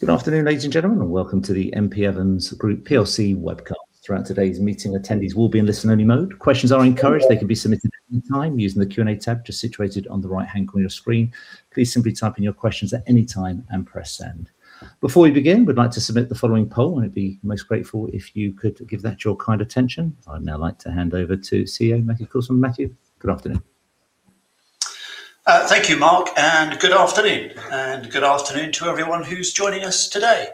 Good afternoon, ladies and gentlemen, and welcome to the M.P. Evans Group PLC webcast. Throughout today's meeting, attendees will be in listen-only mode. Questions are encouraged. They can be submitted at any time using the Q&A tab just situated on the right-hand corner of your screen. Please simply type in your questions at any time and press send. Before we begin, we'd like to submit the following poll, and I'd be most grateful if you could give that your kind attention. I'd now like to hand over to CEO Matthew Coulson. Matthew, good afternoon. Thank you, Mark, and good afternoon. Good afternoon to everyone who's joining us today.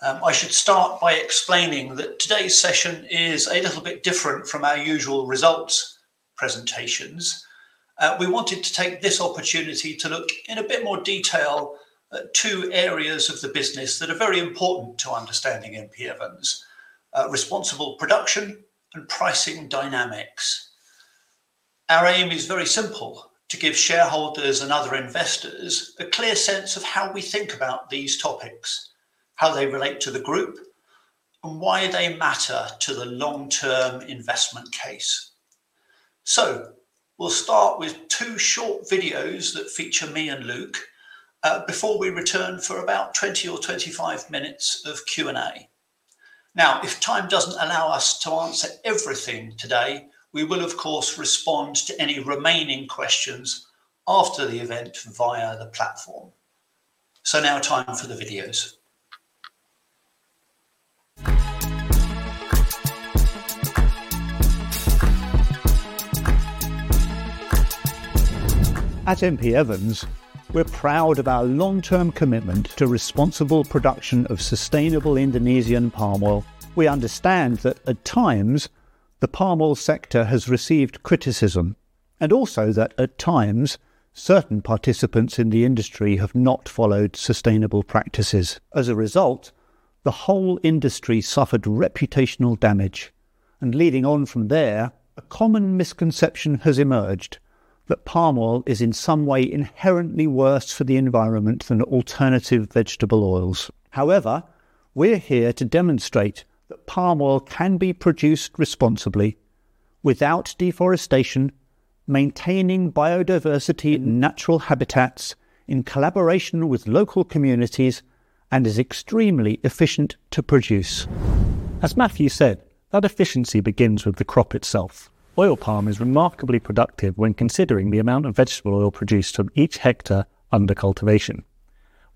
I should start by explaining that today's session is a little bit different from our usual results presentations. We wanted to take this opportunity to look in a bit more detail at two areas of the business that are very important to understanding M.P. Evans: responsible production and pricing dynamics. Our aim is very simple, to give shareholders and other investors a clear sense of how we think about these topics, how they relate to the Group, and why they matter to the long-term investment case. We'll start with two short videos that feature me and Luke before we return for about 20 or 25 minutes of Q&A. If time doesn't allow us to answer everything today, we will, of course, respond to any remaining questions after the event via the platform. Now time for the videos. At M.P. Evans, we're proud of our long-term commitment to responsible production of sustainable Indonesian palm oil. We understand that at times, the palm oil sector has received criticism, and also that at times, certain participants in the industry have not followed sustainable practices. As a result, the whole industry suffered reputational damage, and leading on from there, a common misconception has emerged that palm oil is in some way inherently worse for the environment than alternative vegetable oils. However, we're here to demonstrate that palm oil can be produced responsibly without deforestation, maintaining biodiversity natural habitats, in collaboration with local communities, and is extremely efficient to produce. As Matthew said, that efficiency begins with the crop itself. Oil palm is remarkably productive when considering the amount of vegetable oil produced from each hectare under cultivation.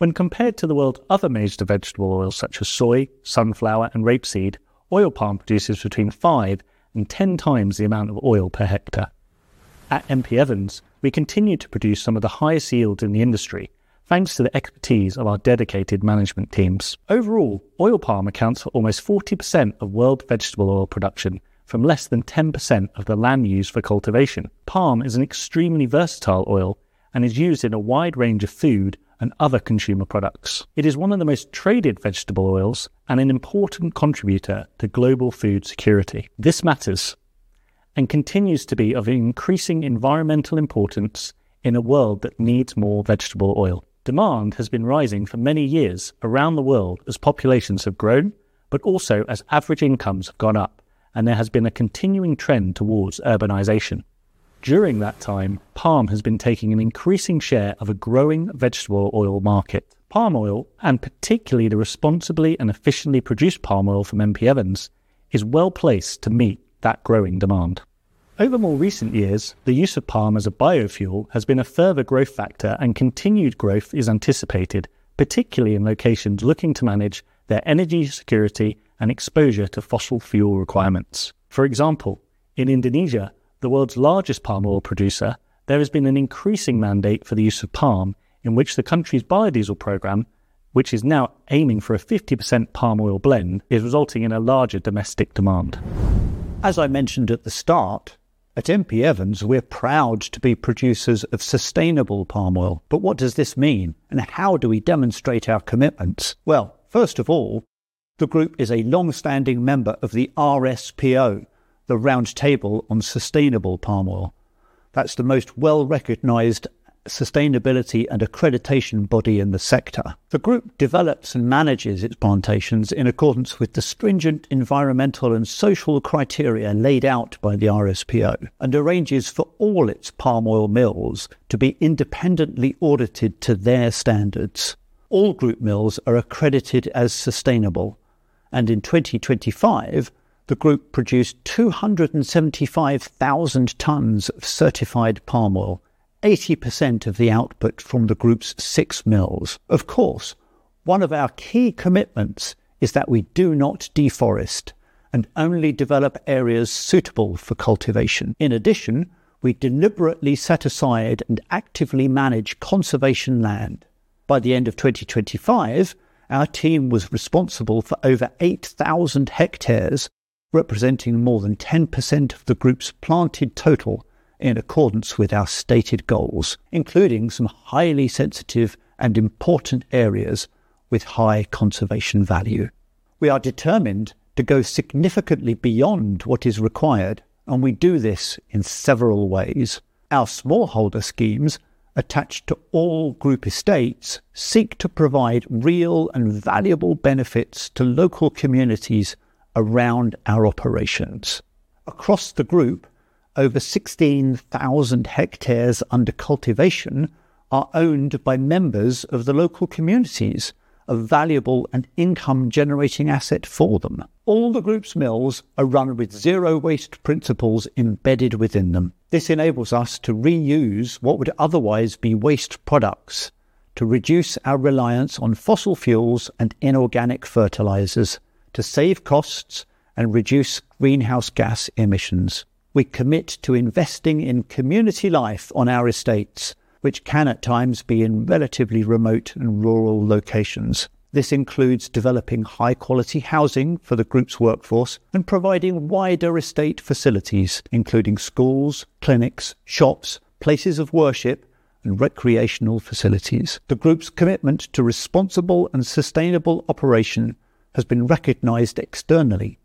When compared to the world's other major vegetable oils such as soy, sunflower, and rapeseed, oil palm produces between five and 10x the amount of oil per hectare. At M.P. Evans, we continue to produce some of the highest yields in the industry, thanks to the expertise of our dedicated management teams. Overall, oil palm accounts for almost 40% of world vegetable oil production from less than 10% of the land used for cultivation. Palm is an extremely versatile oil and is used in a wide range of food and other consumer products. It is one of the most traded vegetable oils and an important contributor to global food security. This matters and continues to be of increasing environmental importance in a world that needs more vegetable oil. Demand has been rising for many years around the world as populations have grown, but also as average incomes have gone up, and there has been a continuing trend towards urbanization. During that time, palm has been taking an increasing share of a growing vegetable oil market. Palm oil, and particularly the responsibly and efficiently produced palm oil from M.P. Evans, is well-placed to meet that growing demand. Over more recent years, the use of palm as a biodiesel has been a further growth factor, and continued growth is anticipated, particularly in locations looking to manage their energy security and exposure to fossil fuel requirements. For example, in Indonesia, the world's largest palm oil producer, there has been an increasing mandate for the use of palm, in which the country's biodiesel program, which is now aiming for a 50% palm oil blend, is resulting in a larger domestic demand. As I mentioned at the start, at M.P. Evans, we're proud to be producers of sustainable palm oil. What does this mean, and how do we demonstrate our commitments? First of all, the Group is a longstanding member of the RSPO, the Roundtable on Sustainable Palm Oil. That's the most well-recognized sustainability and accreditation body in the sector. The Group develops and manages its plantations in accordance with the stringent environmental and social criteria laid out by the RSPO and arranges for all its palm oil mills to be independently audited to their standards. All Group mills are accredited as sustainable, and in 2025, the Group produced 275,000 tons of certified palm oil, 80% of the output from the Group's six mills. Of course, one of our key commitments is that we do not deforest and only develop areas suitable for cultivation. In addition, we deliberately set aside and actively manage conservation land. By the end of 2025, our team was responsible for over 8,000 hectares, representing more than 10% of the Group's planted total in accordance with our stated goals, including some highly sensitive and important areas with high conservation value. We are determined to go significantly beyond what is required, and we do this in several ways. Our smallholder schemes, attached to all Group estates, seek to provide real and valuable benefits to local communities around our operations. Across the Group, over 16,000 hectares under cultivation are owned by members of the local communities, a valuable and income-generating asset for them. All the Group's mills are run with zero waste principles embedded within them. This enables us to reuse what would otherwise be waste products to reduce our reliance on fossil fuels and inorganic fertilizers to save costs and reduce greenhouse gas emissions. We commit to investing in community life on our estates, which can, at times, be in relatively remote and rural locations. This includes developing high-quality housing for the Group's workforce and providing wider estate facilities, including schools, clinics, shops, places of worship, and recreational facilities. The Group's commitment to responsible and sustainable operation has been recognized externally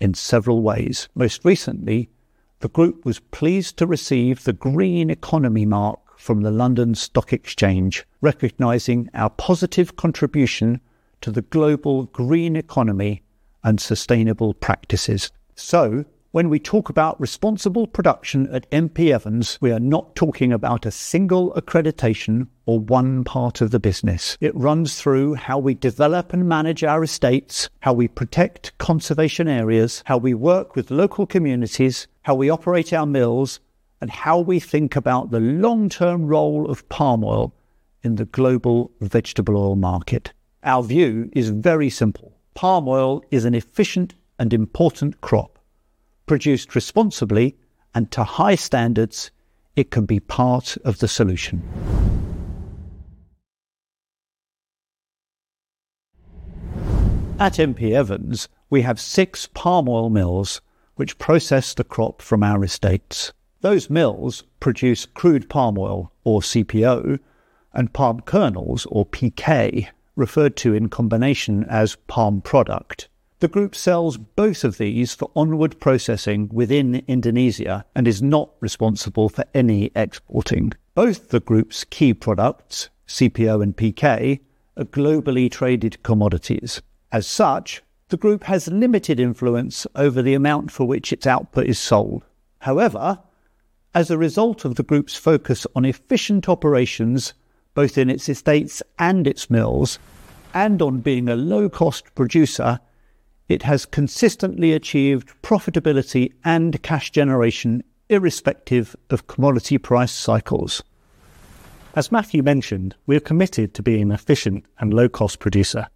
in several ways. Most recently, the Group was pleased to receive the Green Economy Mark from the London Stock Exchange, recognizing our positive contribution to the global green economy and sustainable practices. When we talk about responsible production at M.P. Evans, we are not talking about a single accreditation or one part of the business. It runs through how we develop and manage our estates, how we protect conservation areas, how we work with local communities, how we operate our mills, and how we think about the long-term role of palm oil in the global vegetable oil market. Our view is very simple. Palm oil is an efficient and important crop. Produced responsibly and to high standards, it can be part of the solution. At M.P. Evans, we have six palm oil mills which process the crop from our estates. Those mills produce crude palm oil, or CPO, and palm kernels, or PK, referred to in combination as palm product. The Group sells both of these for onward processing within Indonesia and is not responsible for any exporting. Both the Group's key products, CPO and PK, are globally traded commodities. As such, the Group has limited influence over the amount for which its output is sold. However, as a result of the Group's focus on efficient operations, both in its estates and its mills, and on being a low-cost producer, it has consistently achieved profitability and cash generation irrespective of commodity price cycles. As Matthew mentioned, we are committed to being an efficient and low-cost producer.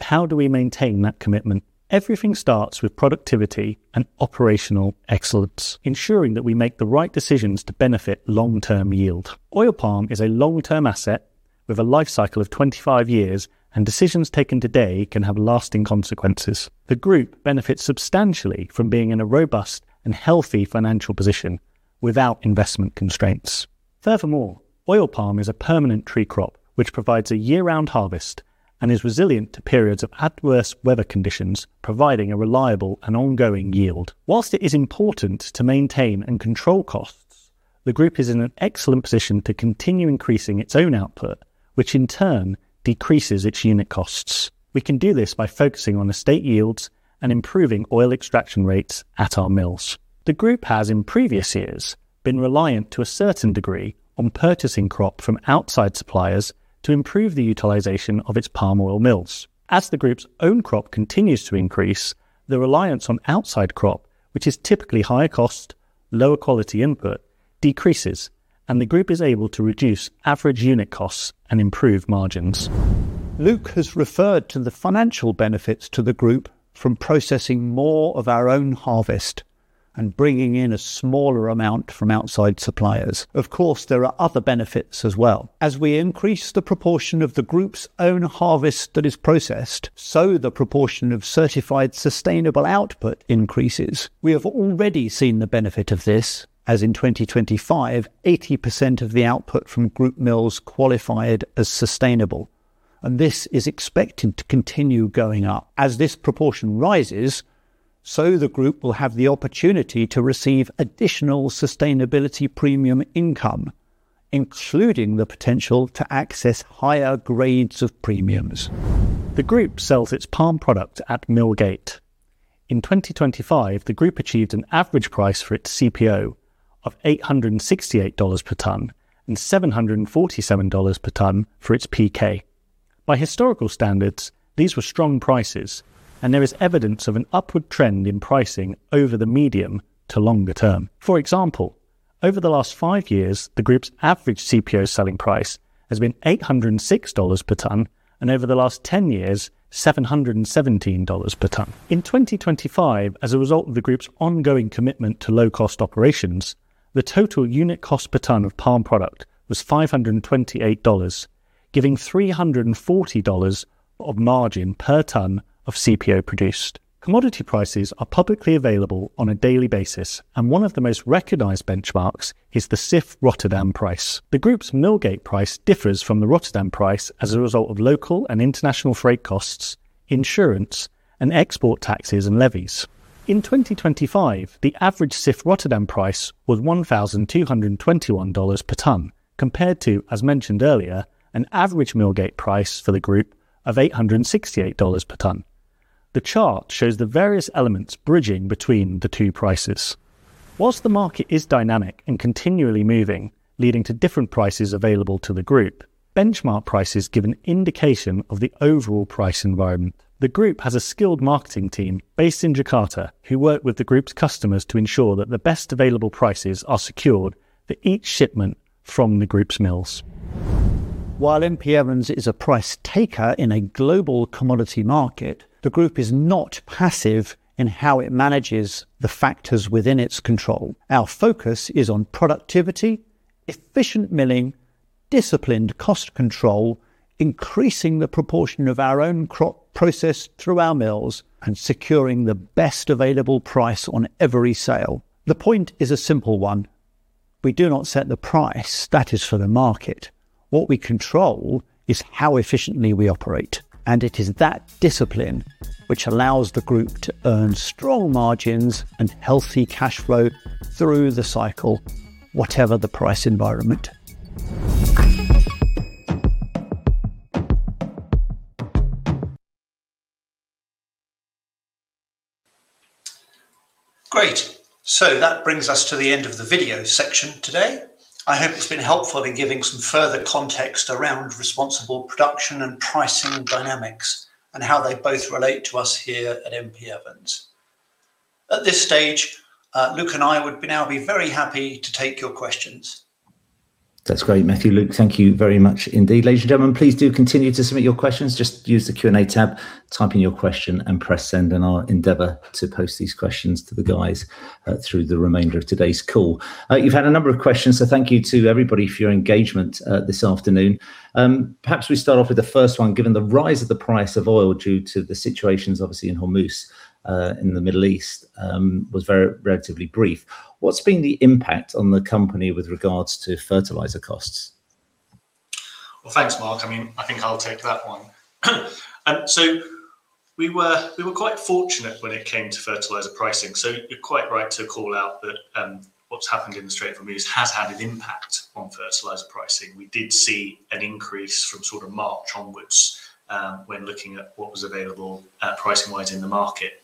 How do we maintain that commitment? Everything starts with productivity and operational excellence, ensuring that we make the right decisions to benefit long-term yield. Oil palm is a long-term asset with a life cycle of 25 years, and decisions taken today can have lasting consequences. The Group benefits substantially from being in a robust and healthy financial position without investment constraints. Furthermore, oil palm is a permanent tree crop, which provides a year-round harvest and is resilient to periods of adverse weather conditions, providing a reliable and ongoing yield. Whilst it is important to maintain and control costs, the Group is in an excellent position to continue increasing its own output, which in turn decreases its unit costs. We can do this by focusing on estate yields and improving oil extraction rates at our mills. The Group has, in previous years, been reliant to a certain degree on purchasing crop from outside suppliers to improve the utilization of its palm oil mills. As the Group's own crop continues to increase, the reliance on outside crop, which is typically higher cost, lower quality input, decreases, and the Group is able to reduce average unit costs and improve margins. Luke has referred to the financial benefits to the Group from processing more of our own harvest and bringing in a smaller amount from outside suppliers. Of course, there are other benefits as well. As we increase the proportion of the Group's own harvest that is processed, so the proportion of certified sustainable output increases. We have already seen the benefit of this as in 2025, 80% of the output from Group mills qualified as sustainable, and this is expected to continue going up. As this proportion rises, so the Group will have the opportunity to receive additional sustainability premium income, including the potential to access higher grades of premiums. The Group sells its palm product at millgate. In 2025, the Group achieved an average price for its CPO of $868 per ton and $747 per ton for its PK. By historical standards, these were strong prices, and there is evidence of an upward trend in pricing over the medium to longer term. For example, over the last five years, the Group's average CPO selling price has been $806 per ton, and over the last 10 years, $717 per ton. In 2025, as a result of the Group's ongoing commitment to low-cost operations, the total unit cost per ton of palm product was $528, giving $340 of margin per ton of CPO produced. Commodity prices are publicly available on a daily basis, and one of the most recognized benchmarks is the CIF Rotterdam price. The Group's millgate price differs from the Rotterdam price as a result of local and international freight costs, insurance, and export taxes and levies. In 2025, the average CIF Rotterdam price was $1,221 per ton, compared to, as mentioned earlier, an average millgate price for the Group of $868 per ton. The chart shows the various elements bridging between the two prices. Whilst the market is dynamic and continually moving, leading to different prices available to the Group, benchmark prices give an indication of the overall price environment. The Group has a skilled marketing team based in Jakarta who work with the Group's customers to ensure that the best available prices are secured for each shipment from the Group's mills. While M.P. Evans is a price taker in a global commodity market, the Group is not passive in how it manages the factors within its control. Our focus is on productivity, efficient milling, disciplined cost control, increasing the proportion of our own crop processed through our mills, and securing the best available price on every sale. The point is a simple one. We do not set the price. That is for the market. What we control is how efficiently we operate, and it is that discipline which allows the Group to earn strong margins and healthy cash flow through the cycle, whatever the price environment. That brings us to the end of the video section today. I hope it's been helpful in giving some further context around responsible production and pricing dynamics and how they both relate to us here at M.P. Evans. At this stage, Luke and I would now be very happy to take your questions. That's great, Matthew, Luke, thank you very much indeed. Ladies and gentlemen, please do continue to submit your questions. Just use the Q&A tab, type in your question and press send and I'll endeavor to pose these questions to the guys through the remainder of today's call. You've had a number of questions, thank you to everybody for your engagement this afternoon. Perhaps we start off with the first one. Given the rise of the price of oil due to the situations obviously in Hormuz, in the Middle East, was very relatively brief, what's been the impact on the company with regards to fertilizer costs? Well, thanks, Mark. I think I'll take that one. We were quite fortunate when it came to fertilizer pricing. You're quite right to call out that what's happened in the Strait of Hormuz has had an impact on fertilizer pricing. We did see an increase from sort of March onwards, when looking at what was available pricing wise in the market.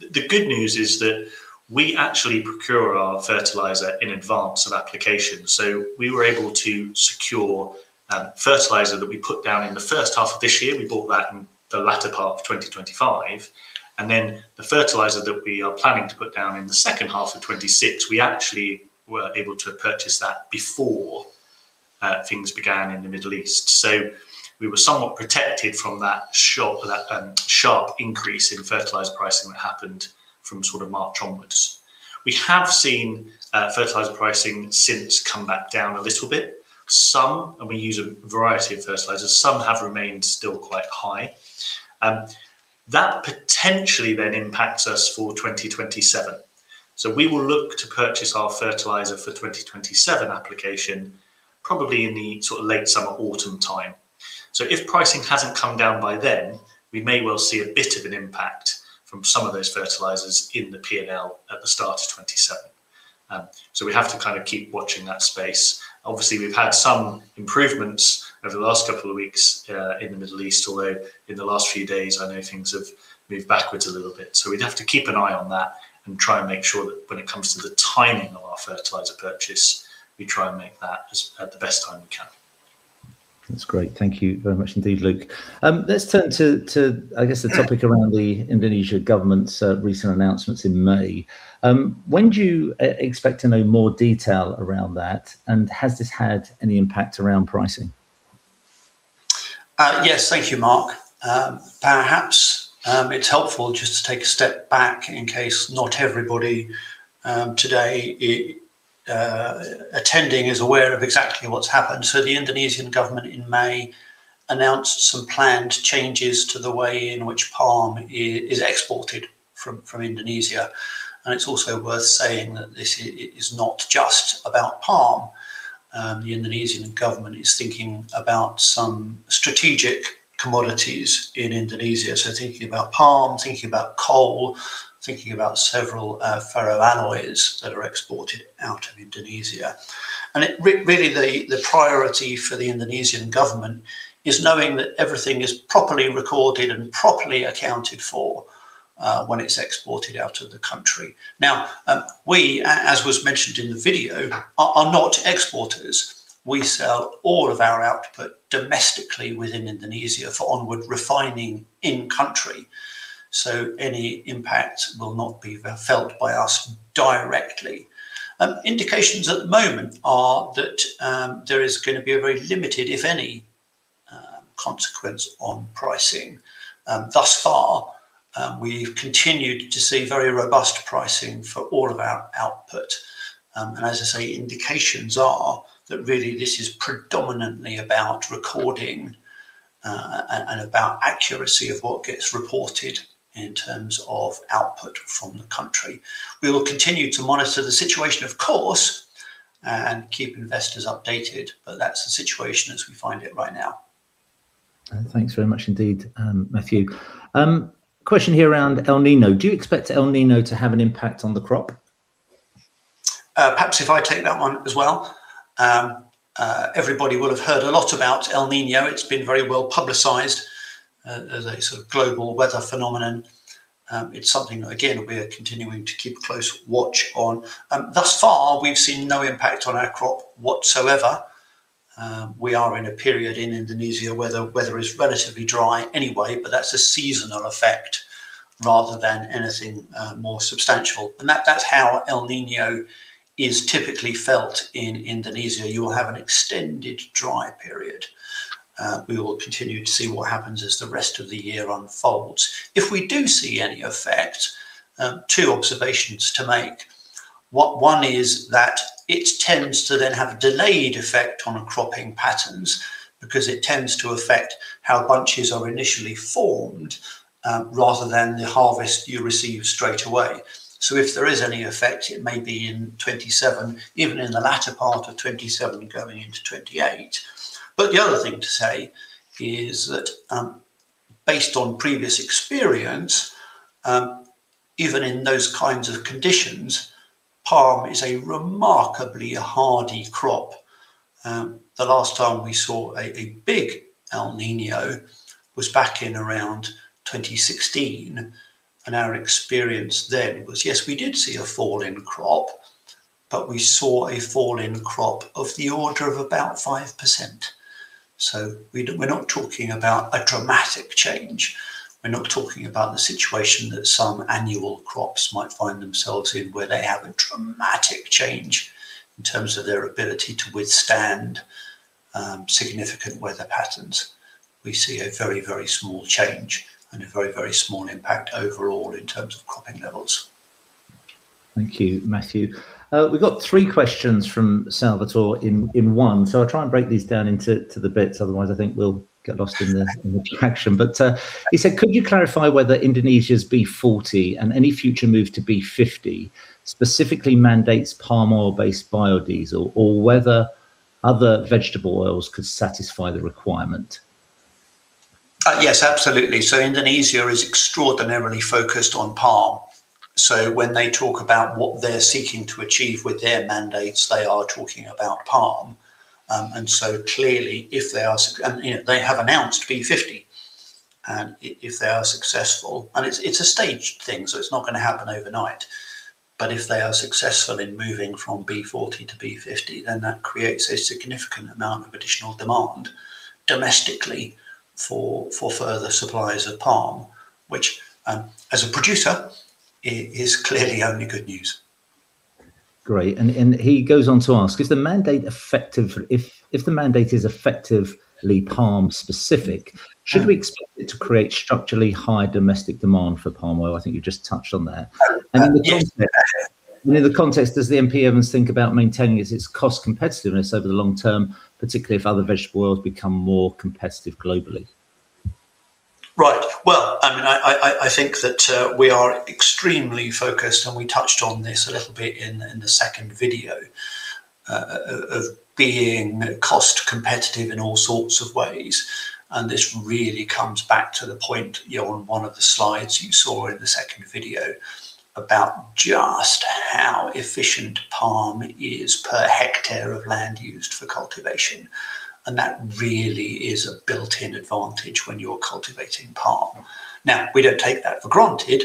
The good news is that we actually procure our fertilizer in advance of application. We were able to secure fertilizer that we put down in the first half of this year, we bought that in the latter part of 2025, and then the fertilizer that we are planning to put down in the second half of 2026, we actually were able to purchase that before things began in the Middle East. We were somewhat protected from that sharp increase in fertilizer pricing that happened from sort of March onwards. We have seen fertilizer pricing since come back down a little bit. Some, and we use a variety of fertilizers, some have remained still quite high. That potentially impacts us for 2027. We will look to purchase our fertilizer for 2027 application probably in the sort of late summer, autumn time. If pricing hasn't come down by then, we may well see a bit of an impact from some of those fertilizers in the P&L at the start of 2027. We have to kind of keep watching that space. Obviously, we've had some improvements over the last couple of weeks in the Middle East, although in the last few days, I know things have moved backwards a little bit. We'd have to keep an eye on that and try and make sure that when it comes to the timing of our fertilizer purchase, we try and make that at the best time we can. That's great. Thank you very much indeed, Luke. Let's turn to, I guess, the topic around the Indonesia government's recent announcements in May. When do you expect to know more detail around that, and has this had any impact around pricing? Yes. Thank you, Mark. Perhaps, it's helpful just to take a step back in case not everybody today attending is aware of exactly what's happened. The Indonesian government in May announced some planned changes to the way in which palm is exported from Indonesia, and it's also worth saying that this is not just about palm. The Indonesian government is thinking about some strategic commodities in Indonesia, so thinking about palm, thinking about coal, thinking about several ferroalloys that are exported out of Indonesia. Really the priority for the Indonesian government is knowing that everything is properly recorded and properly accounted for when it's exported out of the country. Now, we, as was mentioned in the video, are not exporters. We sell all of our output domestically within Indonesia for onward refining in country, so any impact will not be felt by us directly. Indications at the moment are that there is going to be a very limited, if any, consequence on pricing. Thus far, we've continued to see very robust pricing for all of our output. As I say, indications are that really this is predominantly about recording and about accuracy of what gets reported in terms of output from the country. We will continue to monitor the situation of course, and keep investors updated, but that's the situation as we find it right now. Thanks very much indeed, Matthew. Question here around El Niño. Do you expect El Niño to have an impact on the crop? Perhaps if I take that one as well. Everybody will have heard a lot about El Niño. It's been very well-publicized as a sort of global weather phenomenon. It's something that, again, we are continuing to keep a close watch on. Thus far, we've seen no impact on our crop whatsoever. We are in a period in Indonesia where the weather is relatively dry anyway, but that's a seasonal effect rather than anything more substantial. That's how El Niño is typically felt in Indonesia. You will have an extended dry period. We will continue to see what happens as the rest of the year unfolds. If we do see any effect, two observations to make. One is that it tends to then have a delayed effect on cropping patterns because it tends to affect how bunches are initially formed, rather than the harvest you receive straight away. If there is any effect, it may be in 2027, even in the latter part of 2027 going into 2028. The other thing to say is that based on previous experience, even in those kinds of conditions, palm is a remarkably hardy crop. The last time we saw a big El Niño was back in around 2016, and our experience then was, yes, we did see a fall in crop, but we saw a fall in crop of the order of about 5%. We're not talking about a dramatic change. We're not talking about the situation that some annual crops might find themselves in, where they have a dramatic change in terms of their ability to withstand significant weather patterns. We see a very small change and a very small impact overall in terms of cropping levels. Thank you, Matthew. We've got three questions from Salvatore in one. I'll try and break these down into the bits, otherwise I think we'll get lost in the action. He said, Could you clarify whether Indonesia's B40 and any future move to B50 specifically mandates palm oil-based biodiesel, or whether other vegetable oils could satisfy the requirement? Yes, absolutely. Indonesia is extraordinarily focused on palm. When they talk about what they're seeking to achieve with their mandates, they are talking about palm. Clearly, they have announced B50, and if they are successful, and it's a staged thing, so it's not going to happen overnight. If they are successful in moving from B40 to B50, that creates a significant amount of additional demand domestically for further supplies of palm, which, as a producer, is clearly only good news. Great. He goes on to ask, If the mandate is effectively palm specific, should we expect it to create structurally high domestic demand for palm oil? I think you just touched on that. Yeah. In the context, does the M.P. Evans think about maintaining its cost competitiveness over the long term, particularly if other vegetable oils become more competitive globally? Well, I think that we are extremely focused, and we touched on this a little bit in the second video, of being cost-competitive in all sorts of ways. This really comes back to the point on one of the slides you saw in the second video about just how efficient palm is per hectare of land used for cultivation. That really is a built-in advantage when you're cultivating palm. We don't take that for granted,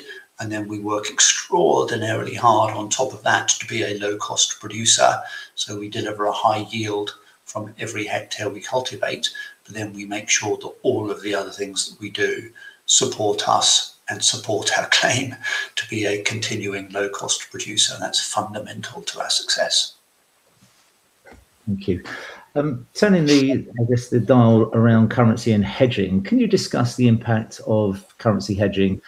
we work extraordinarily hard on top of that to be a low-cost producer, so we deliver a high yield from every hectare we cultivate, we make sure that all of the other things that we do support us and support our claim to be a continuing low-cost producer, and that's fundamental to our success. Thank you. Turning the, I guess, the dial around currency and hedging, can you discuss the impact of currency hedging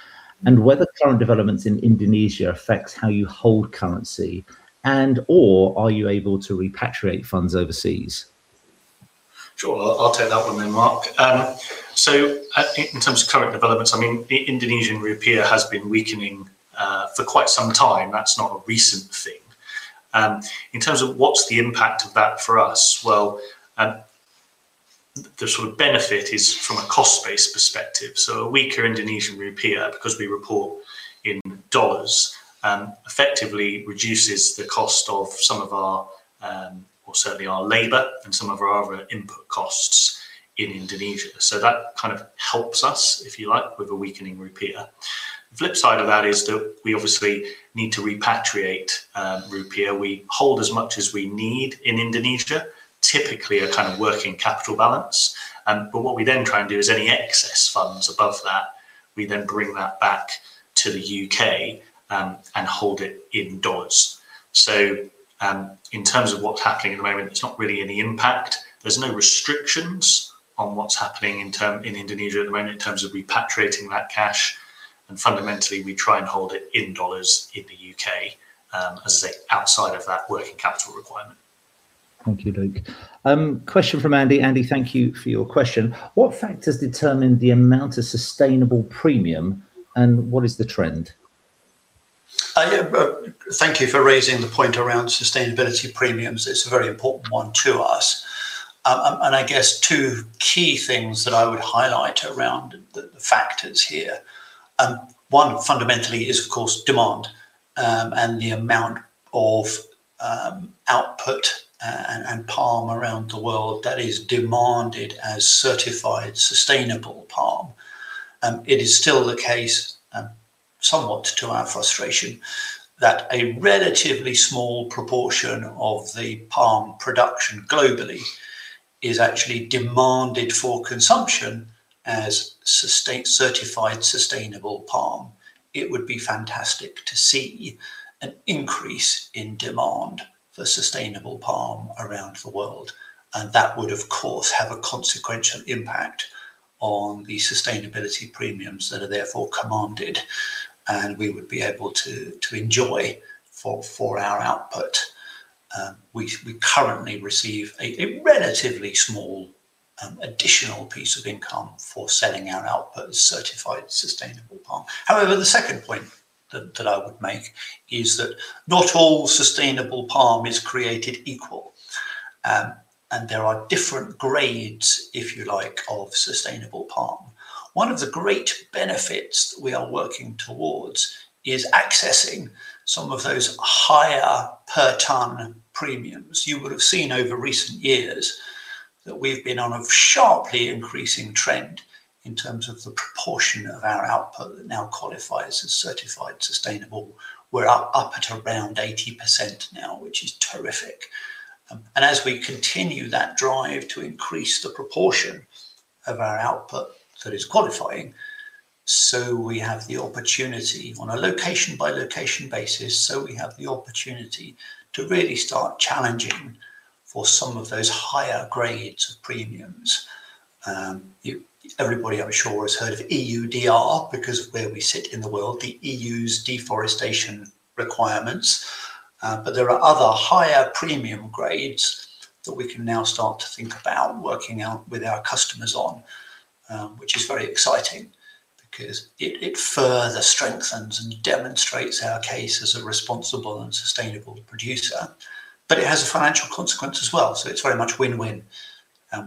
and whether current developments in Indonesia affects how you hold currency, and/or are you able to repatriate funds overseas? Sure. I'll take that one then, Mark. In terms of current developments, the Indonesian rupiah has been weakening for quite some time. That's not a recent thing. In terms of what's the impact of that for us, well, the sort of benefit is from a cost-based perspective. A weaker Indonesian rupiah, because we report in dollars, effectively reduces the cost of some of our, well, certainly our labor and some of our other input costs in Indonesia. That kind of helps us, if you like, with a weakening rupiah. The flip side of that is that we obviously need to repatriate rupiah. We hold as much as we need in Indonesia, typically a kind of working capital balance. What we then try and do is any excess funds above that, we then bring that back to the U.K., and hold it in dollars. In terms of what's happening at the moment, it's not really any impact. There's no restrictions on what's happening in Indonesia at the moment in terms of repatriating that cash, fundamentally, we try and hold it in dollars in the U.K., as I say, outside of that working capital requirement. Thank you, Luke. Question from Andy. Andy, thank you for your question. What factors determine the amount of sustainable premium, and what is the trend? Yeah. Thank you for raising the point around sustainability premiums. It's a very important one to us. I guess two key things that I would highlight around the factors here. One fundamentally is, of course, demand, and the amount of output and palm around the world that is demanded as certified sustainable palm. It is still the case, somewhat to our frustration, that a relatively small proportion of the palm production globally is actually demanded for consumption as certified sustainable palm. It would be fantastic to see an increase in demand for sustainable palm around the world, and that would, of course, have a consequential impact on the sustainability premiums that are therefore commanded, and we would be able to enjoy for our output. We currently receive a relatively small additional piece of income for selling our output as certified sustainable palm. However, the second point that I would make is that not all sustainable palm is created equal, there are different grades, if you like, of sustainable palm. One of the great benefits that we are working towards is accessing some of those higher per ton premiums. You will have seen over recent years that we've been on a sharply increasing trend in terms of the proportion of our output that now qualifies as certified sustainable. We're up at around 80% now, which is terrific. As we continue that drive to increase the proportion of our output that is qualifying, so we have the opportunity on a location-by-location basis, so we have the opportunity to really start challenging for some of those higher grades of premiums. Everybody, I'm sure, has heard of EUDR because of where we sit in the world, the EU's deforestation requirements. There are other higher premium grades that we can now start to think about working out with our customers on, which is very exciting because it further strengthens and demonstrates our case as a responsible and sustainable producer. It has a financial consequence as well. It's very much win-win.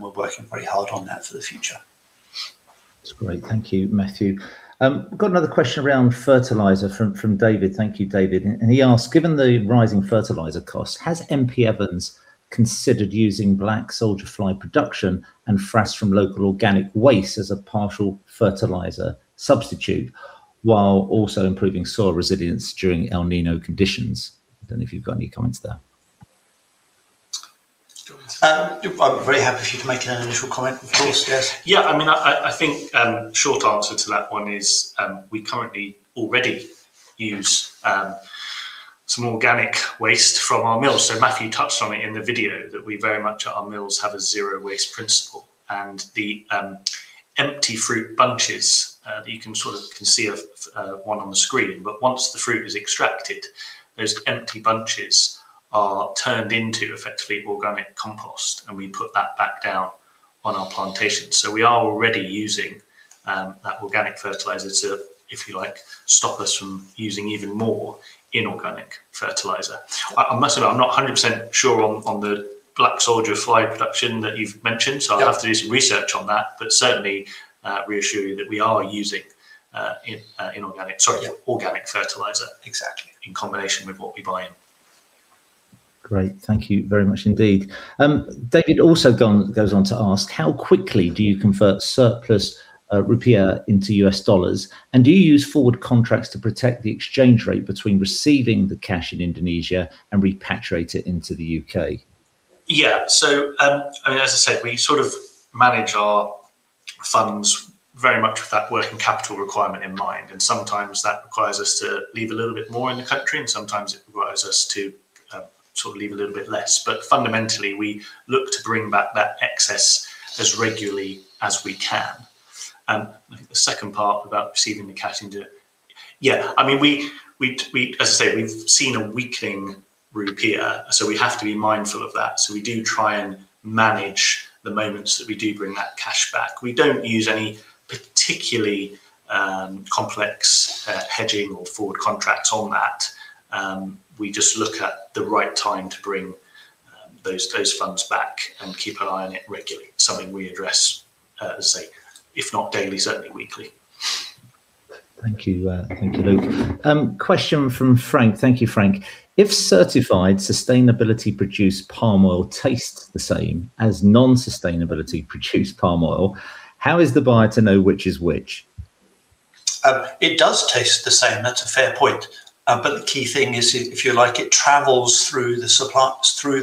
We're working very hard on that for the future. That's great. Thank you, Matthew. Got another question around fertilizer from David. Thank you, David. He asks, Given the rising fertilizer costs, has M.P. Evans considered using black soldier fly production and frass from local organic waste as a partial fertilizer substitute while also improving soil resilience during El Niño conditions? Don't know if you've got any comments there. Do you want me to? I'm very happy if you can make an initial comment, of course, yes. I think short answer to that one is we currently already use some organic waste from our mills. Matthew touched on it in the video that we very much, at our mills, have a zero waste principle. The empty fruit bunches, you can sort of can see one on the screen, but once the fruit is extracted, those empty bunches are turned into effectively organic compost, and we put that back down on our plantation. We are already using that organic fertilizer to, if you like, stop us from using even more inorganic fertilizer. I must admit, I'm not 100% sure on the black soldier fly production that you've mentioned. Yeah. I'll have to do some research on that, but certainly reassure you that we are using. Yeah. Organic fertilizer. Exactly. In combination with what we buy in. Great. Thank you very much indeed. David also goes on to ask, How quickly do you convert surplus rupiah into U.S. dollars, and do you use forward contracts to protect the exchange rate between receiving the cash in Indonesia and repatriate it into the U.K.? As I said, we sort of manage our funds very much with that working capital requirement in mind, and sometimes that requires us to leave a little bit more in the country, and sometimes it requires us to sort of leave a little bit less. Fundamentally, we look to bring back that excess as regularly as we can. I think the second part about receiving the cash into, as I say, we've seen a weakening rupiah, so we have to be mindful of that. We do try and manage the moments that we do bring that cash back. We don't use any particularly complex hedging or forward contracts on that. We just look at the right time to bring those funds back and keep an eye on it regularly. Something we address, as I say, if not daily, certainly weekly. Thank you. Thank you, Luke. Question from Frank. Thank you, Frank. If certified sustainability produced palm oil tastes the same as non-sustainability produced palm oil, how is the buyer to know which is which? It does taste the same. That's a fair point. The key thing is, if you like, it travels through the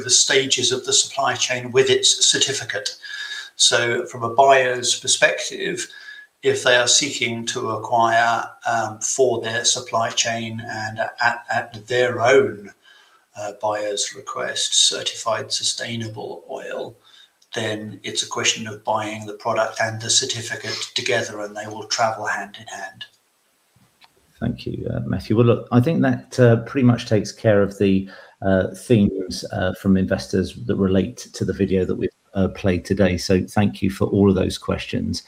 stages of the supply chain with its certificate. From a buyer's perspective, if they are seeking to acquire for their supply chain and at their own buyer's request, certified sustainable oil, then it's a question of buying the product and the certificate together, and they will travel hand in hand. Thank you, Matthew. Well, look, I think that pretty much takes care of the themes from investors that relate to the video that we've played today, so thank you for all of those questions.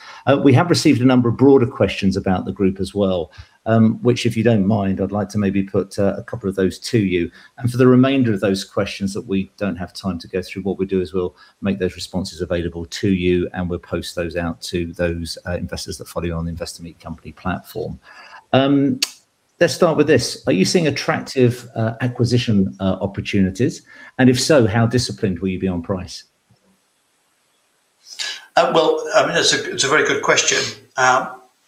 We have received a number of broader questions about the Group as well, which, if you don't mind, I'd like to maybe put a couple of those to you. For the remainder of those questions that we don't have time to go through, what we'll do is we'll make those responses available to you, and we'll post those out to those investors that follow you on the Investor Meet Company platform. Let's start with this. Are you seeing attractive acquisition opportunities? If so, how disciplined will you be on price? It's a very good question.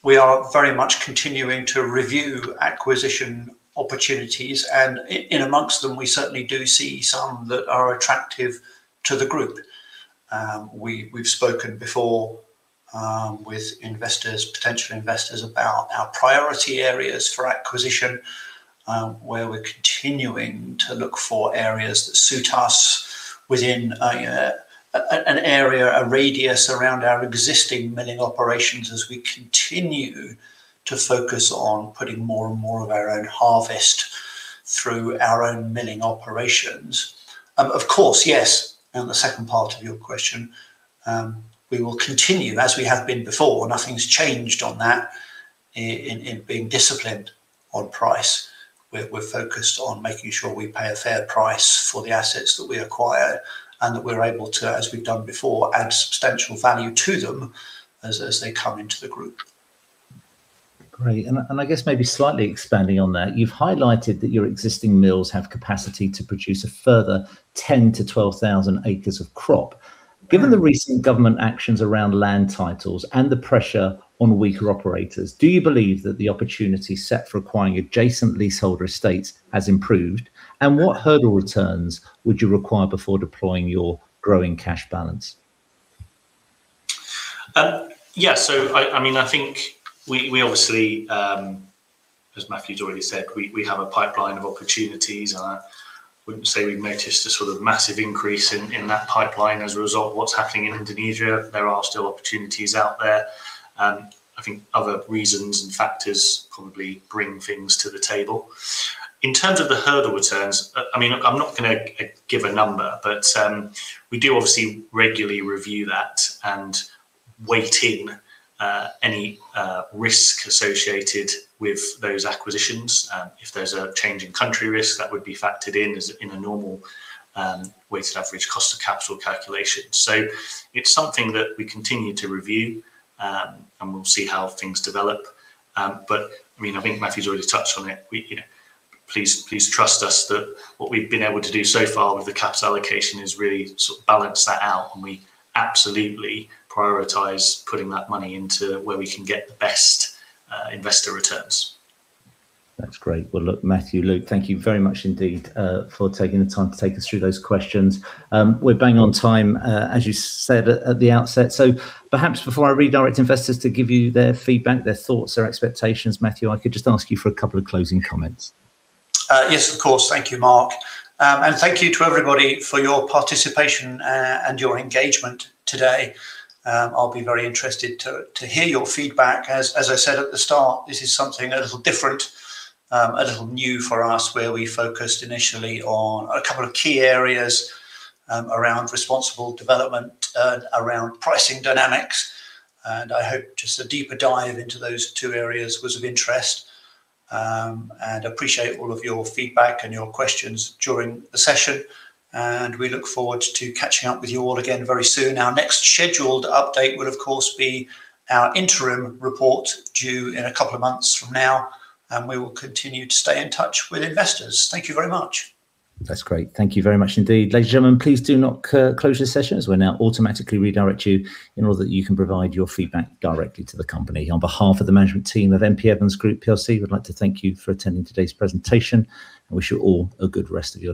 We are very much continuing to review acquisition opportunities, and in amongst them, we certainly do see some that are attractive to the Group. We've spoken before with potential investors about our priority areas for acquisition, where we're continuing to look for areas that suit us within an area, a radius around our existing milling operations as we continue to focus on putting more and more of our own harvest through our own milling operations. Of course, yes, on the second part of your question, we will continue as we have been before. Nothing's changed on that in being disciplined on price. We're focused on making sure we pay a fair price for the assets that we acquire, and that we're able to, as we've done before, add substantial value to them as they come into the Group. Great, I guess maybe slightly expanding on that, you've highlighted that your existing mills have capacity to produce a further 10 to 12,000 acres of crop. Given the recent government actions around land titles and the pressure on weaker operators, do you believe that the opportunity set for acquiring adjacent leaseholder estates has improved? What hurdle returns would you require before deploying your growing cash balance? Yes. I think we obviously, as Matthew's already said, we have a pipeline of opportunities, and I wouldn't say we've noticed a sort of massive increase in that pipeline as a result of what's happening in Indonesia. There are still opportunities out there. I think other reasons and factors probably bring things to the table. In terms of the hurdle returns, I'm not going to give a number, but we do obviously regularly review that and weight in any risk associated with those acquisitions. If there's a change in country risk, that would be factored in as in a normal weighted average cost of capital calculation. It's something that we continue to review, and we'll see how things develop. I think Matthew's already touched on it. Please trust us that what we've been able to do so far with the capital allocation is really sort of balance that out, and we absolutely prioritize putting that money into where we can get the best investor returns. That's great. Well, look, Matthew, Luke, thank you very much indeed for taking the time to take us through those questions. We're bang on time, as you said at the outset. Perhaps before I redirect investors to give you their feedback, their thoughts, their expectations, Matthew, I could just ask you for a couple of closing comments. Yes, of course. Thank you, Mark. Thank you to everybody for your participation and your engagement today. I'll be very interested to hear your feedback. As I said at the start, this is something a little different, a little new for us, where we focused initially on a couple of key areas around responsible development and around pricing dynamics. I hope just a deeper dive into those two areas was of interest, and appreciate all of your feedback and your questions during the session. We look forward to catching up with you all again very soon. Our next scheduled update will, of course, be our interim report due in a couple of months from now, and we will continue to stay in touch with investors. Thank you very much. That's great. Thank you very much indeed. Ladies and gentlemen, please do not close this session, as we'll now automatically redirect you in order that you can provide your feedback directly to the company. On behalf of the management team of M.P. Evans Group PLC, we'd like to thank you for attending today's presentation and wish you all a good rest of your day.